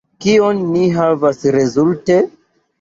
Kion ni havas rezulte?